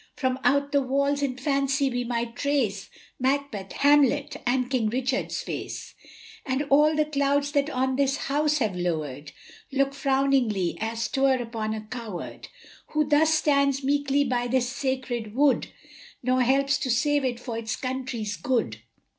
From out the walls in fancy we might trace Macbeth, Hamlet, and King Richard's face; And all the clouds that on this house have lowered, Look frowningly, as 'twere upon a coward, Who thus stands meekly by this sacred wood, Nor helps to save it for its country's good.